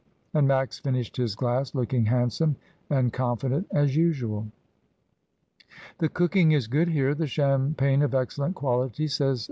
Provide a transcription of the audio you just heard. "^ And Max finished his glass looking handsome and confident as usual. "The cooking is good here, the champagne of excellent quality," says M.